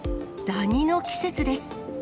ダニの季節です。